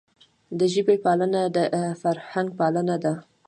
د ژبي پالنه د فرهنګ پالنه ده.